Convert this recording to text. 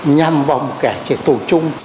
nhằm vào một kẻ chế tổ chung